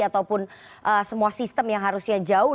ataupun semua sistem yang harusnya jauh